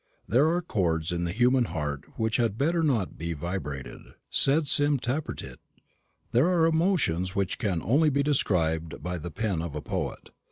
"There are chords in the human heart which had better not be wibrated," said Sim Tappertit. There are emotions which can only be described by the pen of a poet.